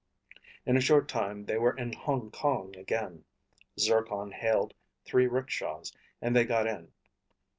In a short time they were in Hong Kong again. Zircon hailed three rickshaws and they got in.